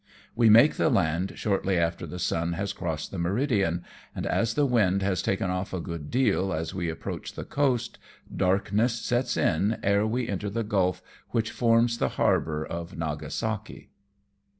We make the land shortly after the sun has crossed the meridian, and as the wind has taken off a good deal as we approach the coast, darkness sets in ere we enter the gulf which forms the harbour of Nagasaki.